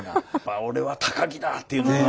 俺は儀だ！っていうのが。